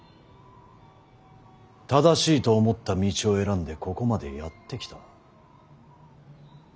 正しいと思った道を選んでここまでやって来た。